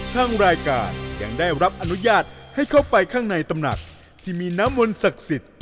ทางรายการยังได้รับอนุญาตให้เข้าไปข้างในตำหนักที่มีน้ำมนต์ศักดิ์สิทธิ์